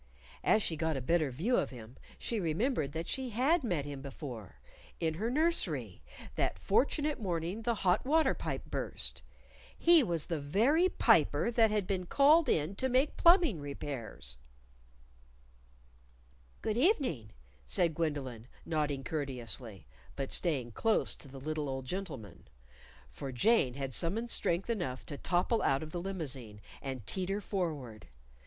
As she got a better view of him she remembered that she had met him before in her nursery, that fortunate morning the hot water pipe burst. He was the very Piper that had been called in to make plumbing repairs! "Good evening," said Gwendolyn, nodding courteously but staying close to the little old gentleman. For Jane had summoned strength enough to topple out of the limousine and teeter forward.